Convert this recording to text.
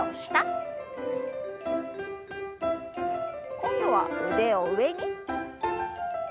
今度は腕を上に。